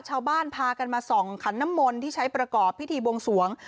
ชาวบ้านพากันมาส่องขันน้ำมนต์ที่ใช้ประกอบพิธีบวงสวง